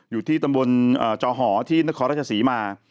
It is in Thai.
อยู่ที่ตำบลจอหอที่นครราชศรีมา